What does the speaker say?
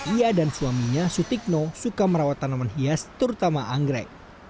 ia dan suaminya sutikno suka merawat tanaman hias terutama anggrek